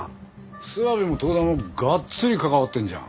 諏訪部も遠田もがっつり関わってんじゃん。